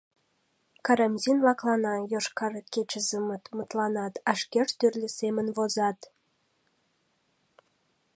Карамзин «лаклана», «Йошкар кечызымыт» «мытланат», а шкешт тӱрлӧ семын возат.